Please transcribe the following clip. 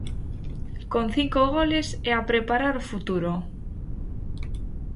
Con cinco goles e a preparar o futuro.